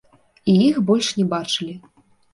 І іх больш не бачылі.